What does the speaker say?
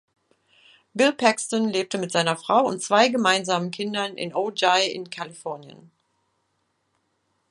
Bill Paxton lebte mit seiner Frau und zwei gemeinsamen Kindern in Ojai in Kalifornien.